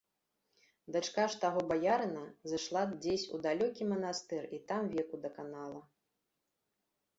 Дачка ж таго баярына зышла дзесь у далёкі манастыр і там веку даканала.